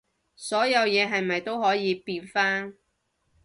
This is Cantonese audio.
所有嘢係咪都可以變返